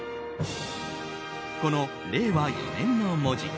この「令和四年」の文字